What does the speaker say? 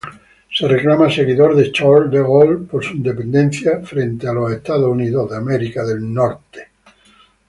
Se reclama seguidor de Charles de Gaulle por su independencia ante los Estados Unidos.